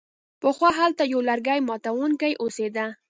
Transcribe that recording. پخوا هلته یو لرګي ماتوونکی اوسیده.